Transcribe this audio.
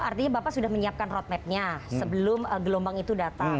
artinya bapak sudah menyiapkan roadmapnya sebelum gelombang itu datang